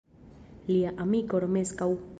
Lia amiko Romeskaŭ.